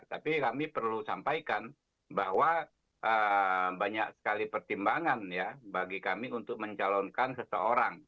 tapi kami perlu sampaikan bahwa banyak sekali pertimbangan ya bagi kami untuk mencalonkan seseorang